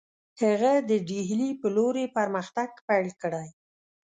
هغه د ډهلي پر لور یې پرمختګ پیل کړی.